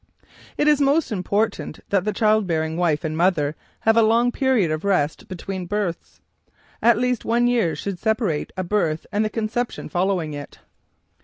It is most important that the childbearing wife and mother have a long period of rest between births. At least one year should separate a birth and the conception following it.